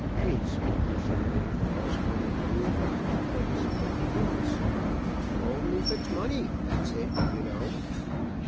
"Base, mercenary, false hearted loon! What is it that he wants?" "Old Neefit's money. That's it, you know."